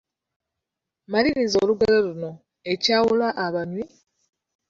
Maliriza olugero luno: Ekyawula abanywi, …..